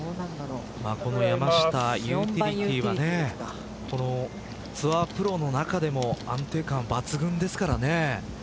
この山下、ユーティリティーはツアープロの中でも安定感抜群ですからね。